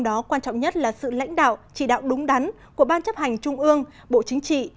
đó quan trọng nhất là sự lãnh đạo chỉ đạo đúng đắn của ban chấp hành trung ương bộ chính trị